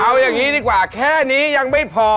เอาอย่างนี้ดีกว่าแค่นี้ยังไม่พอ